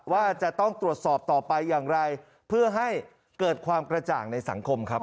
ว่าจะต้องตรวจสอบต่อไปอย่างไรเพื่อให้เกิดความกระจ่างในสังคมครับ